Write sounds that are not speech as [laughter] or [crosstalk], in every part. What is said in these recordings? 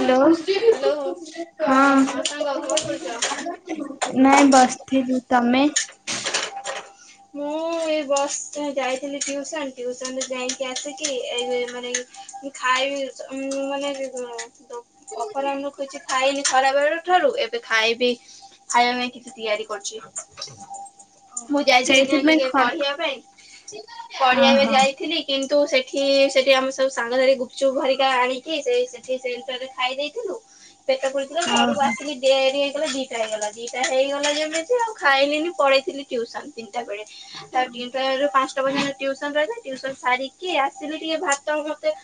Hello hello ସାଙ୍ଗ ହଁ। କଣ କରୁଛ? ନାଇଁ ବସିଥିଲି ତମେ? ମୁଁ ଏଇ ବସିଛି ଯାଇଥିଲି ଟ୍ୟୁସନ ଟ୍ୟୁସନରୁ ଯାଇକି ଆସିକି ଏଇ ମାନେ ଇଏ ଖାଇବି ଉଁ ମାନେ [unintelligible] ଅପରାହ୍ନ ଖଛି ଖାଇନି ଖରାପ ବେଳ ଠାରୁ ଏବେ ଖାଇବି। ଖାଇବା ପାଇଁ କିଛି ତିଆରି କରୁଚି। ଯାଇଥିଲି କିନା ସେଇଥିପାଇଁ ଟିକେ ଖଟ ପଢିବା ପାଇଁ ପଢିବା ପାଇ ଓହୋ ଯାଇଥିଲି। କିନ୍ତୁ ସେଠି ସେଠି ଆମେ ସବୁ ସାଙ୍ଗ ଧରି ଗୁପଚୁପ ଭରିକା ଆଣିକି ସେ ସେଠି ସେ ଭିତରେ ଖାଇ ଦେଇଥିଲୁ। ପେଟ ପୁରିଥିଲା ଘରକୁ ଓହୋ ଆସିଲି। ଡେରି ହେଇଗଲା ଦିଟା ହେଇଗଲା ଦିଟା ହେଇଗଲା ଯେମିତି ଆଉ ଖାଇଲିନି ପଳେଇଥିଲି ଟ୍ୟୁସନ। ତା ତିନିଟା ରୁ ପାଞ୍ଚ ସନ ପଯ୍ୟନ୍ତ ଟ୍ୟୁସନ ରହିଲା ଟ୍ୟୁସନ ସାରିକି ଆସିଲି ଟିକେ ଭାତ ମତେ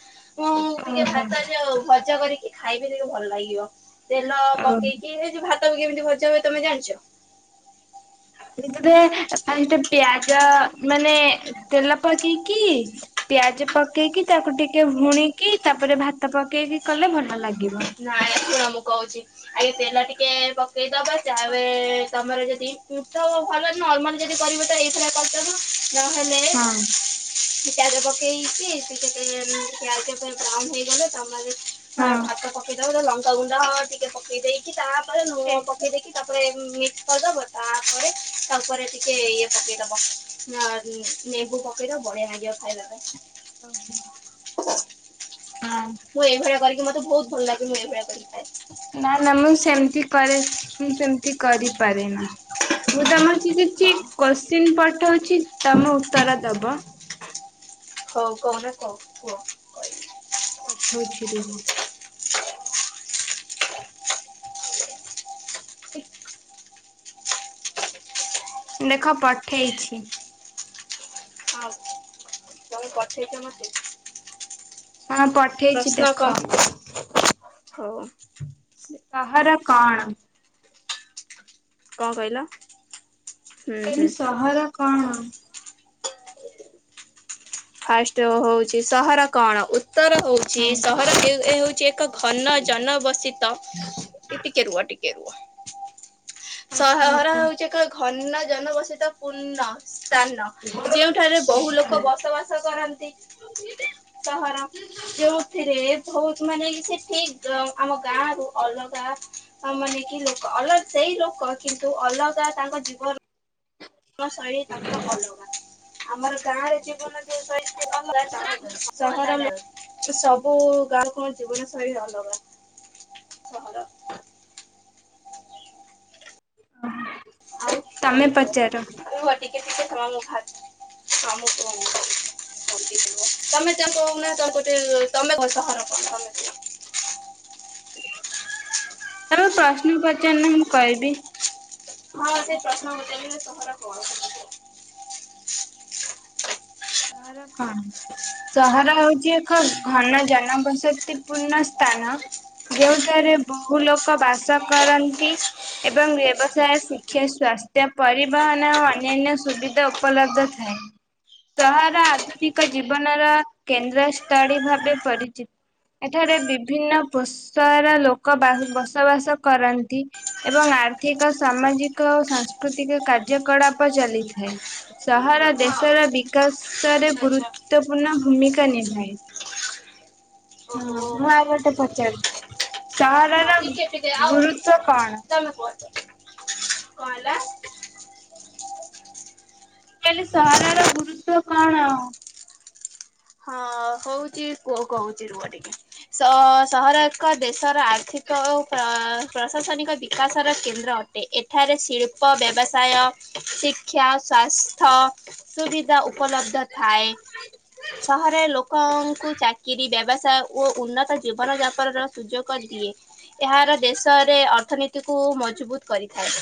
ମୁଁ ଟିକେ ଓହୋ ଭାତ ଯାଉ ଭଜା କରିକି ଖାଇବି [unintelligible] ଭଲ ଲାଗିବ। ତେଲ ଓ ପକେଇକି ଏ ଯୋଉ ଭାତ ବି କେମିତି ଭଜା ହୁଏ ତମେ ଜାଣିଛ? ଏଇଥିରେ ଫାଷ୍ଟ ପିଆଜ ମାନେ ତେଲ ପକେଇକି ପିଆଜ ପକେଇକି ତାକୁ ଟିକେ ଭୁଣିକି ତାପରେ ଭାତ ପକେଇକି କଲେ ଭଲ ଲାଗିବ। ନାଇଁ ଶୁଣ ମୁଁ କହୁଛି ଆଗେ ତେଲ ଟିକେ ପକେଇଦବ ଯାହାବେ ତମର ଯଦି ପୃଥ ଭଲ ନର୍ମାଲ ଯଦି କରିବ ତ ଏଇଥରେ କରିଦବ ନହେଲେ ହଁ। ପିଆଜ ପକେଇଛି ସେ କେତେ ପିଆଜ ବ୍ରାଉନ ହେଇଗଲେ ତମମାନେ ହାଁ ହଁ ଭାତ ପକେଇଦବ ତାପରେ ଲଙ୍କାଗୁଣ୍ଡା ହଳ ଟିକେ ପକେଇ ଦେଇକି ତାପରେ ସେ ଲୁଣ ପକେଇ ଦେଇକି ତାପରେ ମିକ୍ସ କରିଦବ ତାପରେ ତାପରେ ଟିକେ ଇଏ ପକେଇଦବ। ଆଃ ନେମ୍ବୁ ପକେଇଦବ ବଢିଆ ନାଗିବ ଖାଇବା ପାଇଁ। [unintelligible] ହଁ। ମୁଁ ଏଇଭଳିଆ କରିକି ମତେ ବହୁତ ଭଲ ଲାଗେ ମୁଁ ଏଇଭଳିଆ କରିକି ଖାଏ। ନା ନା ମୁଁ ସେମିତି କରେ ମୁଁ ସେମିତି କରିପାରେ ନା। ମୁଁ ତମର କିଛି ହଁ କୋଶ୍ଚିନ୍ ପଠଉଛି ତମ ଉତ୍ତର ଦବ। ହଉ କହୁନା କଉ କୁହ। କହିବ ପଠଉଛି ରୁହ। ଦେଖ ପଠେଇଛି। ହଁ ତମେ ପଠେଇଛ ମୋତେ। ହଁ ପଠେଇଛି ପ୍ରଶ୍ନ ଦେଖ। କଣ? ସହର କଣ? କଣ କହିଲ। ହୁଁ ମୁଁ ହୁଁ କହିଲି ସହର କଣ? ଫାଷ୍ଟ ହଉଛି ସହର କଣ ଉତ୍ତର ହଉ। ଚି ହୁଁ ସହର ହେଉ ହଉଛି ଏକ ଘନ ଜନ ବସିତ ଏ ଟିକେ ରୁହ ଟିକେ ଟିକେ ରୁହ ସହଘର ହଉଛି ଏକ ଘନ ଜନ ବସିତ ପୂର୍ଣ୍ଣ ସ୍ଥାନ ଯୋଉଠାରେ ବହୁ ଲୋକ ବସବାସ ବାସ କରନ୍ତି ସହର ଯେଉଁଥିରେ ବହୁତ ମାନେ ସେ ଠିକ ଅ ଆମ ଗାଁ ରୁ ଅଲଗା ମାନେ କି ଲୋକ ଅଲଗା ସେଇ ଲୋକ କିନ୍ତୁ ଅଲଗା ତାଙ୍କ ଜୀବନ ଶୈଳୀ ତାଙ୍କର ଅଲଗା ଆମର ଗାଁରେ ଜୀବନ [unintelligible] ସହର ଲୋକ ତ ସବୁ ଗାଁ କଣ ଜୀବନଶୈଳୀ ଅଲଗା ସହର [inaudible] ତମେ ତମ ପୁଅ ପଚାର ରୁହ ଟିକେ ଟିକେ ତମାକୁ ମୁ ତୁ ତମେ ତାଙ୍କ ନା କୋଉନ ତମେ ସହର କଣ ତମେ ତମେ ପ୍ରଶ୍ନ ପଚାର ନା ମୁଁ କଇବି। ହଁ ସେଇ ପ୍ରଶ୍ନ ପଚାରିଲେ ସହର କଣ? ସହର କଣ? ସହର ହଉଛି ଏକ ଘନ ଜନବସତି ପୂର୍ଣ୍ଣ ସ୍ଥାନ। ଯେଉଁଠାରେ ବହୁ ଲୋକ ବାସ କରନ୍ତି। ଏବଂ ବ୍ୟବସାୟ, ଶିକ୍ଷା, ସ୍ୱାସ୍ଥ୍ୟ, ପରିବହନ ଓ ଅନ୍ୟାନ୍ୟ ସୁବିଧା ଉପଲବ୍ଧ ଥାଏ। ସହର ଆଧୁନିକ ଜୀବନର କେନ୍ଦ୍ର ସ୍ଥଳୀ ଭାବେ ପରିଚି- ଏଠାରେ ବିଭିନ୍ନ ପୋଷର ଲୋକ ବାହୁ ବସବାସ କରନ୍ତି। ଏବଂ ଆର୍ଥିକ ସାମାଜିକ ଓ ସାଂସ୍କୃତିକ କାର୍ଯ୍ୟକଳାପ ଚାଲିଥାଏ। ସହର ହଁ ଦେଶର ଦିକ୍ କାଶରେ ଆଚ୍ଛା ଆଚ୍ଛା ଗୁରୁତ୍ୱପୂର୍ଣ୍ଣ ଭୂମିକା ନିଭାଏ। ହୁଁ ଓହୋ ମୁଁ ଆଉ ଗୋଟେ ପଚାରୁଚି ହଁ ସହରର ଟିକେ ଟିକେ ଆଉ ଗୁରୁତ୍ୱ କଣ? ମୁଁ ତମେ ପଚ୍ କଣ ହେଲା? ମୁଁ କଇଲି ସହରର ଗୁରୁତ୍ଵ କଣ? ହଁ ହଉଚି ପୁଅ କହୁଚି ରୁହ ଟିକେ। ସଅ ସହର ଏକ ଦେଶର ଆର୍ଥିକ ଓ ପ୍ର ପ୍ରଶାସନିକ ବିକାଶର କେନ୍ଦ୍ର ଅ ଏ ଏଠାରେ ଶିଳ୍ପ, ବ୍ୟବସାୟ, ଶିକ୍ଷା, ସ୍ୱାସ୍ଥ ସୁବିଧା ଉପଲବ୍ଧ ଥାଏ। ସହରେ ଲୋକଙ୍କୁ ଚାକ୍ କିରି, ବ୍ୟବସାୟ ଓ ଉନ୍ନତ ଜୀବନ ଯାପନର ସୁଯୋଗ ଦିଏ। ଏହାର ଦେଶରେ ଅର୍ଥନୀତିକୁ ମଜବୁତ କରିଥାଏ।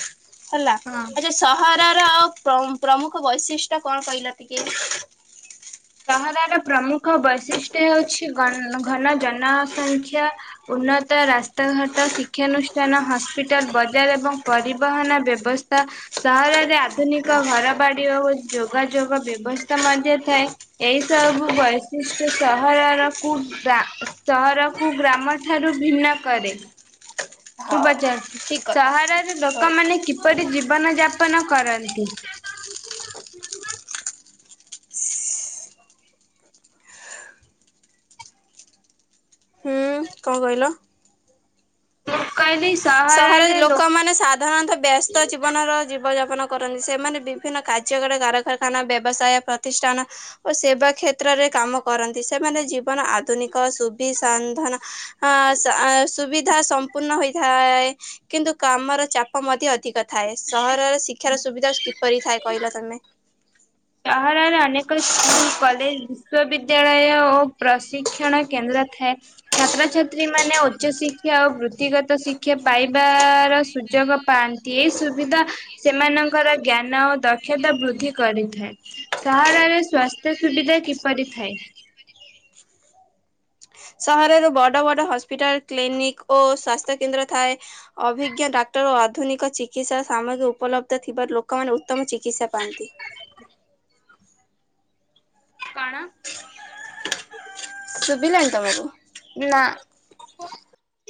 ହେଲା। ହଁ। ଯେ ସହରର ପ୍ରମ୍ ପ୍ରମୁଖ ବୈଶିଷ୍ଟ୍ୟ କଣ କହିଲ ଟିକେ? ସହରର ପ୍ରମୁଖ ବୈଶିଷ୍ଟ୍ୟ ହେଉଛି ଗନ୍ ଘନ ଜନସଂଖ୍ୟା। ଉନ୍ନତ ରାସ୍ତାଘାଟ, ଶିକ୍ଷାନୁଷ୍ଠାନ, ହସ୍ପିଟାଲ, ବଜାର ଏବଂ ପରିବହନ ବ୍ୟବ୍ ବ୍ବସ୍ଥା। ସହରରେ ଆଧୁନିକ ଘର ବାଡି ଓ ଯୋଗାଯୋଗ ବ୍ୟବସ୍ଥା ମଧ୍ୟ ଥାଏ। ଏହି ସବୁ ବୈଶିଷ୍ଟ୍ୟ ସହରରକୁ ବା- ସହର କୁ ଗ୍ରାମଠାରୁ ଭିନ୍ନ କରେ। ମୁଁ ହଁ ପଚାରୁଚି। ଠିକ କଥା ସହରର ହଉ। ଲୋକମାନେ କିପରି ଜୀବନ ଯାପନ କରନ୍ତି? କଅଁ କଇଲ? ମୁଁ କଇଲି ଇସ୍ ସହରେ ଲୋକମାନେ ସାଦ୍ ରଣତଃ ବ୍ୟସ୍ତ ଜୀବନର ଜୀବଯାପନ କରନ୍ତି। ସେମାନେ ବିଭିନ୍ନ କାର୍ଯ୍ୟ କରେ କାରଖାନା ବ୍ୟବସାୟ ପଥ୍ ତିଷ୍ଟାନ ଓ ସେବା କ୍ଷେତ୍ରରେ କାମ କରନ୍ତି। ସେମାନେ ଜୀବନ ଆଧୁନିକ ସୁବିସାନ୍ଧନ ହଁ ଆ ସ ସୁବିଧା ସମ୍ପୂର୍ଣ୍ଣ ହୋଇଇଥାଏ। କିନ୍ତୁ କାମର ଚାପ ମଧ୍ୟ ଅଧିକ। ଥାଏ ସହରରେ ଶିକ୍ଷାର ସୁବିଧା କିପରି ଥାଏ କହିଲ ତମେ? ସହରରେ ଅନେକ ସ୍କୁଲ, କଲେଜ, ବିଶ୍ୱବିଦ୍ୟାଳୟ ଓ ପ୍ରଶିକ୍ଷଣ କେନ୍ଦ୍ର ଥାଏ। ଛାତ୍ରଛାତ୍ରୀ ମାନେ ଉଚ୍ଚ ଶିକ୍ଷା ଓ ବୃତ୍ତିଗତ ଶିକ୍ଷା ପାଇବା--ର ସୁଯୋଗ ପାଆନ୍ତି। ଏ ସୁବିଧା ସେମାନଙ୍କର ଜ୍ଞାନ ଓ ଦକ୍ଷତା ବୃଦ୍ଧି କରିଥାଏ। ସହରରେ ସ୍ବାସ୍ଥ୍ୟ ସୁବିଧା କିପରି ଥାଏ? ସହରରେ ବଡ ବଡ ହସ୍ପିଟାଲ, କ୍ଲିନିକ ଓ ସ୍ଵାସ୍ଥ୍ୟ କେନ୍ଦ୍ର ଥାଏ। ଅଭିଜ୍ଞ ଡାକ୍ତର ଓ ଆଧୁନିକ ଚିକିତ୍ସା ସାମଗ୍ରୀ ଉପଲବ୍ଧ ଥିବାରୁ ଲୋକମାନେ ଉତ୍ତମ ଚିକିତ୍ସା ପାଆନ୍ତି। କାଣା? ଶୁଭିଲାନି ତମକୁ? ନା